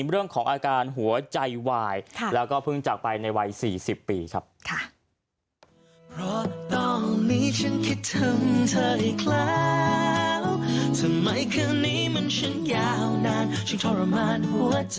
เรื่องของอาการหัวใจวายแล้วก็เพิ่งจากไปในวัย๔๐ปีครับ